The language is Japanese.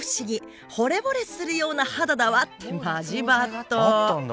「ほれぼれするような肌だわ」ってマジバッド。